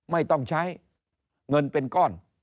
ไม่ต้องใช้เงินเป็นก้อน